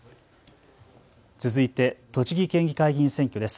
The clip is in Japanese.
続いて栃木県議会議員選挙です。